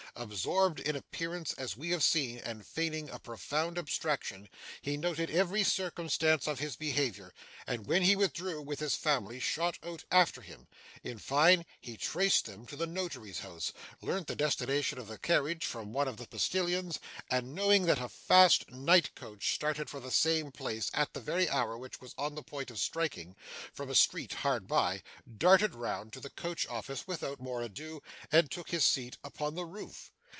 Absorbed in appearance, as we have seen, and feigning a profound abstraction, he noted every circumstance of his behaviour, and when he withdrew with his family, shot out after him. In fine, he traced them to the notary's house; learnt the destination of the carriage from one of the postilions; and knowing that a fast night coach started for the same place, at the very hour which was on the point of striking, from a street hard by, darted round to the coach office without more ado, and took his seat upon the roof.